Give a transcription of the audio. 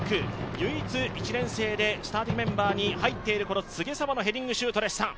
唯一、１年生でスターティングメンバーに入っている柘植沙羽のヘディングシュートでした。